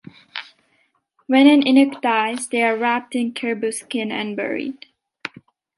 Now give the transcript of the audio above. When an Inuk dies, they are wrapped in caribou skin and buried.